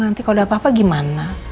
nanti kalau udah apa apa gimana